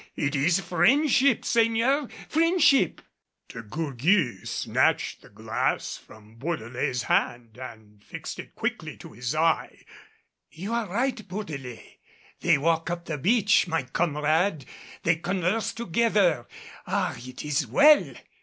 It is friendship seigneur friendship!" De Gourgues snatched the glass from Bourdelais' hand and fixed it quickly to his eye. "You are right, Bourdelais. They walk up the beach, my comrade! They converse together. Ah! it is well."